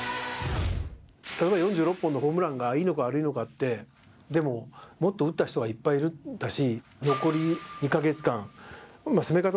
例えば４６本のホームランがいいのか悪いのかって、でももっと打った人はいっぱいいるんだし。